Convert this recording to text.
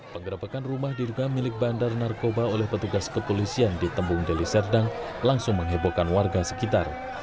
pengerebekan rumah diduga milik bandar narkoba oleh petugas kekulisian di tembung deliserdang langsung menghebohkan warga sekitar